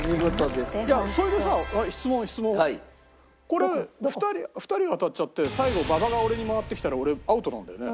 これ２人当たっちゃって最後ババが俺に回ってきたら俺アウトなんだよね？